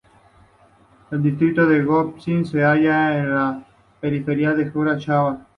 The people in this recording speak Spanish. El Distrito de Göppingen se halla en la periferia del Jura Suabo.